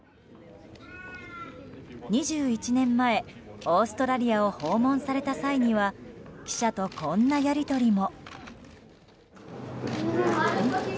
２１年前、オーストラリアを訪問された際には記者とこんなやり取りも。